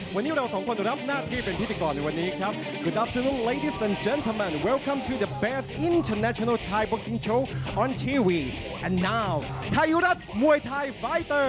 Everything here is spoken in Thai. วันนี้เราสองคนจะรับหน้าที่เป็นพิธีกรในวันนี้ครับ